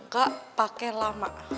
gak pake lama